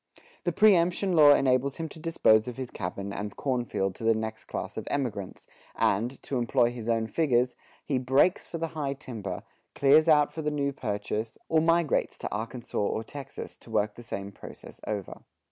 The preëmption law enables him to dispose of his cabin and cornfield to the next class of emigrants; and, to employ his own figures, he "breaks for the high timber," "clears out for the New Purchase," or migrates to Arkansas or Texas, to work the same process over.